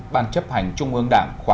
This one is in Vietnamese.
ban chấp hành trung ương đảng khóa một mươi ba